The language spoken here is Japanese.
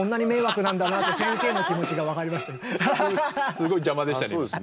すごい邪魔でしたね。